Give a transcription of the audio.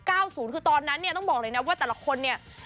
คือตอนนั้นเนี่ยต้องบอกเลยนะว่าแต่ละคนเนี่ย